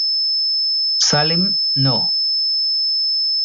Salem No.